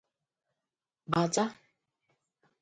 bàtá